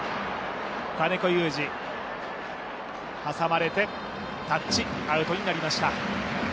金子侑司挟まれてアウトになりました。